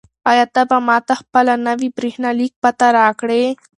آیا ته به ماته خپله نوې بریښنالیک پته راکړې؟